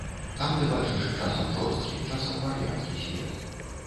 Там ты бачыш часам жорсткі, часам вар'яцкі свет.